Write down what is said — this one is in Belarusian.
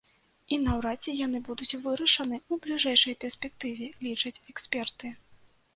І наўрад ці яны будуць вырашаны ў бліжэйшай перспектыве, лічаць эксперты.